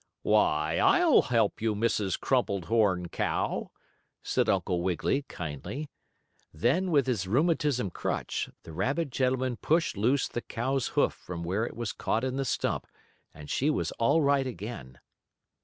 "Why, I'll help you, Mrs. Crumpled horn Cow," said Uncle Wiggily, kindly. Then, with his rheumatism crutch, the rabbit gentleman pushed loose the cow's hoof from where it was caught in the stump, and she was all right again.